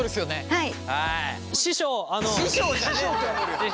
はい。